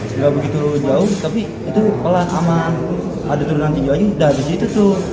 juga begitu jauh tapi itu pelan ama ada turunan tiga aja udah habis itu tuh